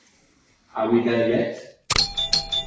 Are We There Yet?